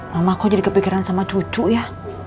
mama kok jadi kepikiran sama cucu ya